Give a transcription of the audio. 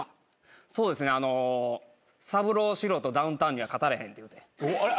そうですねサブロー・シローとダウンタウンには勝たれへんって言うて。